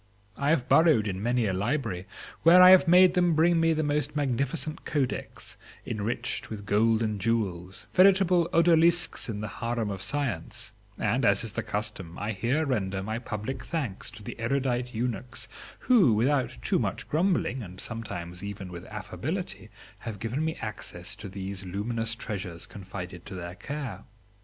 I have burrowed in many a library, where I made them bring me the most magnificent codex enriched with gold and jewels, veritable odalisques in the harem of science; and as is the custom, I here render my public thanks to the erudite eunuchs who, without too much grumbling and sometimes even with affability, have given me access to these luminous treasures confided to their care.